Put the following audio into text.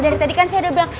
dari tadi kan saya udah bilang